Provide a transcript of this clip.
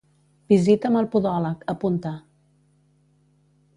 Visita amb el podòleg, apunta.